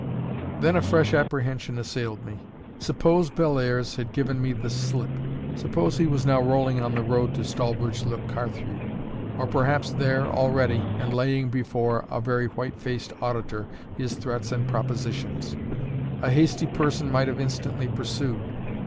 Then a fresh apprehension assailed me. Suppose Bellairs had given me the slip? suppose he was now rolling on the road to Stallbridge le Carthew? or perhaps there already and laying before a very white faced auditor his threats and propositions? A hasty person might have instantly pursued.